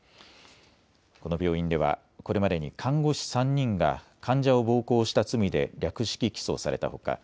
この病院ではこれまでに看護師３人が患者を暴行した罪で略式起訴されたほか